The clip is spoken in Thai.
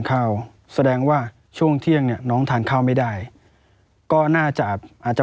ข้าวแสดงว่าช่วงเที่ยงเนี่ยน้องทานข้าวไม่ได้ก็น่าจะอาจจะ